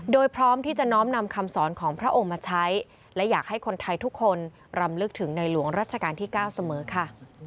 โดยพร้อมที่จะน้อมนำคำสอนของพระองค์มาใช้และอยากให้คนไทยทุกคนรำลึกถึงในหลวงรัชกาลที่๙เสมอค่ะ